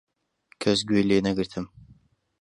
کەس گوێی لێنەگرتم.